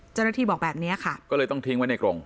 เจ้าหน้าที่บอกแบบนี้ค่ะก็เลยต้องทิ้งไว้ในกรง